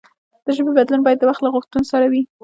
د ژبې بدلون باید د وخت له غوښتنو سره وي.